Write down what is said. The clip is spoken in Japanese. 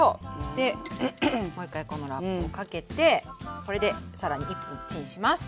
でもう一回このラップをかけてこれで更に１分チンします。